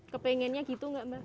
kepengennya gitu nggak mbak